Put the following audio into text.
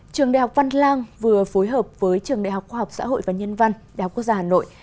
trường đại học văn lang vừa phối hợp với trường đại học khoa học xã hội và nhân văn đại học quốc gia hà nội